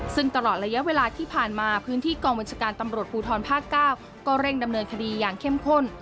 ซึ่งตลอดระยะเวลาที่ผ่านมาพื้นที่กองบัญชาการตำรวจภูทรภาค๙ก็เร่งดำเนินคดีอย่างเข้มข้น